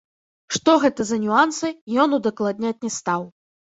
Што гэта за нюансы, ён удакладняць не стаў.